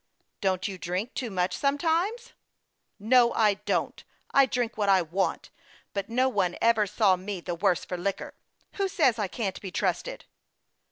" Don't you drink too much sometimes ?" 274 HASTE AND WASTE, OK " No, I don't ! I drink what I want ; but no one ever saw me the worse for liquor. Who says I can't be trusted